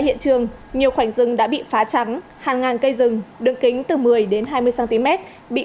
hiện trường nhiều khoảnh rừng đã bị phá trắng hàng ngàn cây rừng đường kính từ một mươi đến hai mươi cm bị